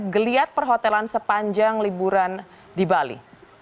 geliat perhotelan sepanjang liburan di bali